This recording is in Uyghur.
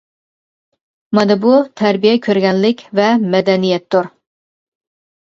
مانا بۇ تەربىيە كۆرگەنلىك ۋە مەدەنىيەتتۇر.